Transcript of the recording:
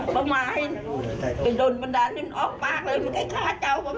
มาให้โดนบันดาลนี้ออกปากเลยมันก็จะฆ่าเจ้ามา